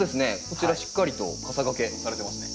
こちらしっかりとかさがけされてますね。